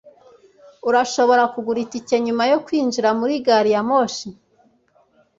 urashobora kugura itike nyuma yo kwinjira muri gari ya moshi